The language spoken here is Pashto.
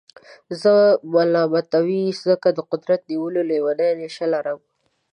زه ملامتوئ ځکه د قدرت نیولو لېونۍ نېشه لرم.